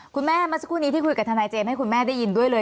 เมื่อสักครู่นี้ที่คุยกับทนายเจมส์ให้คุณแม่ได้ยินด้วยเลย